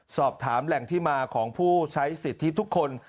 สอบถามแหล่งที่มาของผู้ใช้สิทธิทุกคน